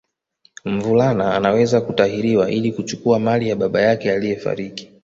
Mvulana Anaweza kutahiriwa ili kuchukua mali ya baba yake aliyefariki